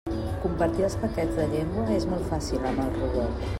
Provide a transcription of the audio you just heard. Compartir els paquets de llengua és molt fàcil amb el robot.